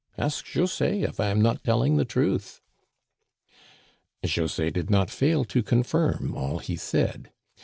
Ask José if I am not telling the truth ?" José did not fail to confirm all he said.